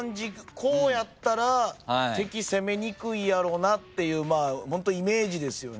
こうやったら敵攻めにくいやろうなっていうホントイメージですよね。